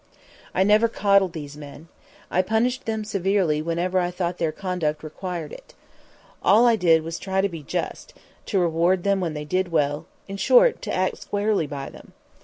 I never coddled these men. I punished them severely whenever I thought their conduct required it. All I did was to try to be just; to reward them when they did well; in short, to act squarely by them.